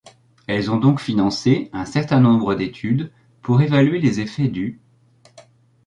Elles ont donc financé un certain nombre d'études pour évaluer les effets du '.